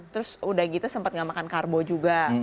terus udah gitu sempat nggak makan karbo juga